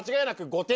５点！